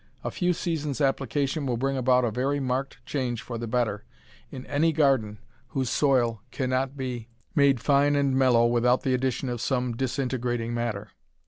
A few seasons' application will bring about a very marked change for the better in any garden whose soil cannot be made fine and mellow without the addition of some disintegrating matter.